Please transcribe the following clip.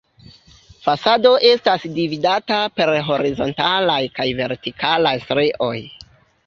Fasado estas dividata per horizontalaj kaj vertikalaj strioj.